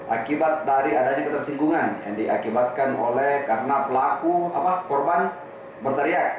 akibat dari adanya ketersinggungan yang diakibatkan oleh karena pelaku korban berteriak